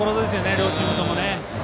両チームともね。